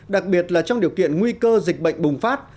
đặc biệt là trong điều kiện nguy cơ dịch bệnh bùng phát